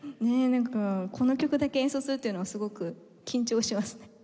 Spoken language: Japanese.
ねえなんかこの曲だけ演奏するというのはすごく緊張しますね。